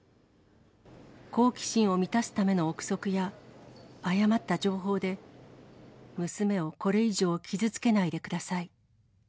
好奇心を満たすための臆測や、誤った情報で、娘をこれ以上傷つけないでください。